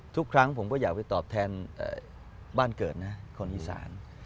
ทุกครั้งผมก็อยากไปตอบแทนบ้านเกิดนะคนอีสาน